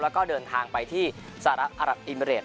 แล้วก็เดินทางไปที่สหรัฐอรับอิมิเรต